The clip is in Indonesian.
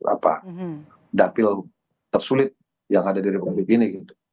apa dapil tersulit yang ada di republik ini